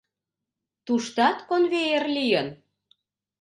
Туштат конвейер лийын?»